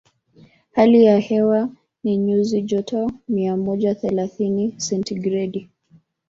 Hali ya hewa ni nyuzi joto mia moja thelathini sentigredi